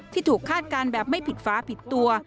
ที่ถูกคาดการณ์แบบไม่ผิดฟ้าผิดตัว